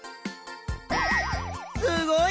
すごい！